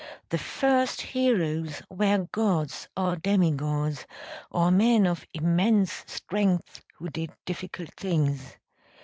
The first heroes were gods or demi gods, or men of immense strength who did difficult things.